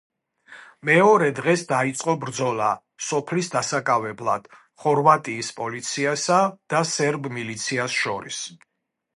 მეორე დღეს დაიწყო ბრძოლა სოფლის დასაკავებლად ხორვატიის პოლიციასა და სერბ მილიციას შორის.